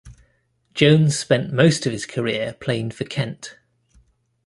Jones spent most of his career playing for Kent.